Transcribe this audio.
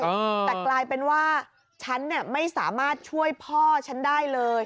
แต่กลายเป็นว่าฉันเนี่ยไม่สามารถช่วยพ่อฉันได้เลย